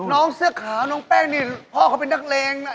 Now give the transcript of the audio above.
น้องเสื้อขาวน้องแป้งนี่พ่อเขาเป็นนักเลงนะ